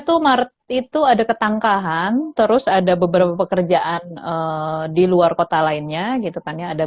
itu maret itu ada ketangkahan terus ada beberapa pekerjaan di luar kota lainnya gitu kan ya ada